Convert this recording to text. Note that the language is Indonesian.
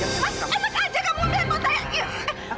mas lepas aja kamu handphone saya